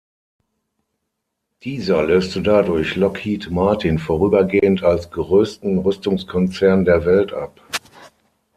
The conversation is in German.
Dieser löste dadurch Lockheed Martin vorübergehend als größten Rüstungskonzern der Welt ab.